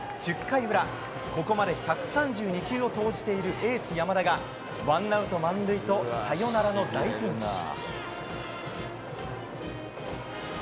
１０回裏、ここまで１３２球を投じているエース、山田がワンアウト満塁とサヨナラの大ピンチ。